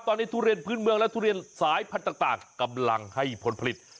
ตอนนี้ทุเรียนพื้นเมืองและทุเรียนสายพันธุ์ต่างกำลังให้ผลผลิต